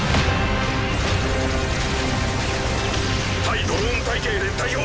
対ドローン隊形で対応。